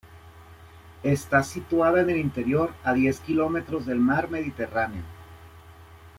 Está situada en el interior, a diez kilómetros del mar Mediterráneo.